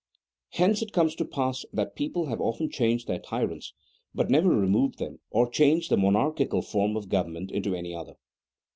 Hence it comes to pass that peoples have often changed their tyrants, but never removed them or changed the mo narchical form of government into any other.